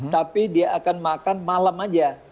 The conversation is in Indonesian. tapi dia akan makan malam aja